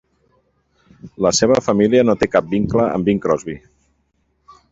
La seva família no té cap vincle amb Bing Crosby.